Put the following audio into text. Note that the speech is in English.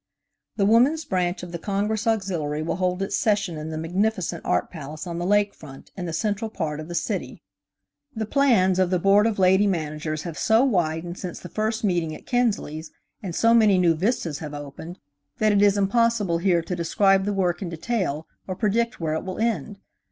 The Woman's Branch of the Congress Auxiliary will hold its sessions in the magnificent Art Palace on the Lake Front, in the central part of the city. The plans of the Board of Lady Managers have so widened since the first meeting at Kinsley's and so many new vistas have opened, that it is impossible here to describe the work in detail or predict where it will end.